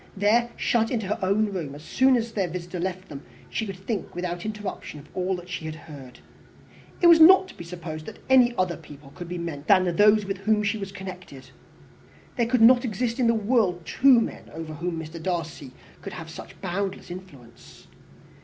There, shut into her own room, as soon as their visitor left them, she could think without interruption of all that she had heard. It was not to be supposed that any other people could be meant than those with whom she was connected. There could not exist in the world two men over whom Mr. Darcy could have such boundless influence.